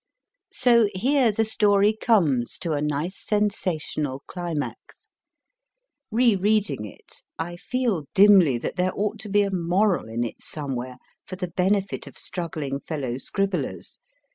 So here the story comes to a nice sensational climax. Re reading it, I feel dimly that there ought to be a moral in it somewhere for the benefit of struggling fellow scribblers.